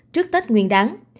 trước tết nguyên đáng